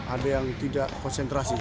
ada yang tidak konsentrasi